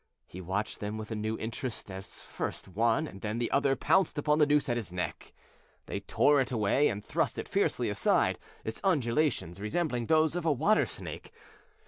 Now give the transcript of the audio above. He watched them with a new interest as first one and then the other pounced upon the noose at his neck. They tore it away and thrust it fiercely aside, its undulations resembling those of a water snake.